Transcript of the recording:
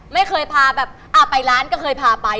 ไม่เคยพาแบบไปร้านก็เคยพาไป